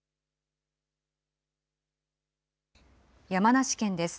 山梨県です。